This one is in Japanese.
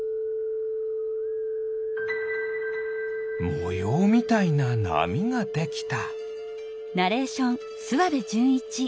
もようみたいななみができた。